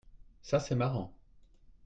Ça c'est marrant